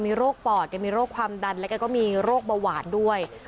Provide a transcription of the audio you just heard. มีโรคปอดแกมีโรคความดันและแกก็มีโรคเบาหวานด้วย